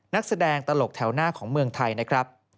นักแสดงตลกแถวหน้าของเมืองไทยนะครับ